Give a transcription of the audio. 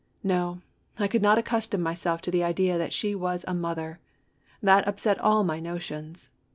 No, I could not accustom myself to 58 THE REWARD. the idea that she was a mother! That upset all my notions!